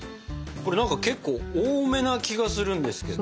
これ何か結構多めな気がするんですけど。